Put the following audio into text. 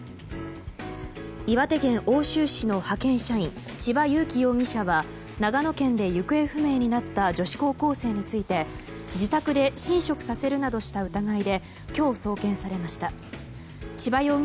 岩手県奥州市の派遣社員千葉裕生容疑者は長野県で行方不明になった女子高校生について自宅で寝食させるなどした疑いで今日、送検されました。